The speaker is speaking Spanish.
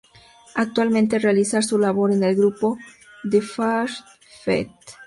Actualmente realiza su labor en el grupo The Fire Theft.